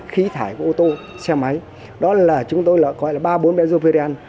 khí thải của ô tô xe máy đó là chúng tôi gọi là ba bốn mezoviren